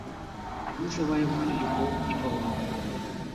А мы заваявалі любоў і павагу.